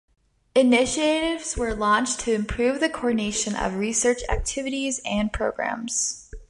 Initiatives were launched to improve the coordination of research activities and programmes.